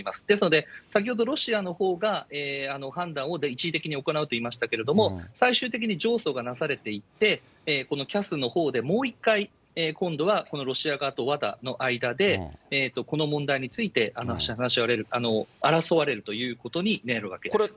ですので、先ほど、ロシアのほうが判断を一時的に行うと言いましたけれども、最終的に上訴がなされていって、このＣＡＳのほうでもう一回、今度はこのロシア側とＷＡＤＡの間で、この問題について話し合われる、争われるということになるわけです。